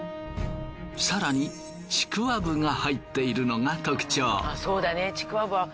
更にちくわぶが入っているのが特徴。